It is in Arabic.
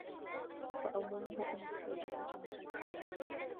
وَعُمُومُهُ أَنْ يَسْتَوْجِبَ جَمِيعَ الْأَحْوَالِ